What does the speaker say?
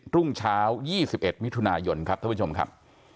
รุ่งเช้า๒๑มิถุนายนครับท่านผู้ชมครับ